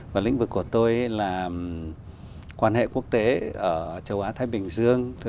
và lĩnh vực của tôi là quan hệ quốc tế ở châu á thái bình dương